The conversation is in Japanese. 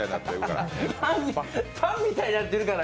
パンみたいになってるから。